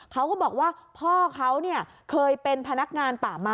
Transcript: เขาก็บอกว่าพ่อเขาเคยเป็นพนักงานป่าม้า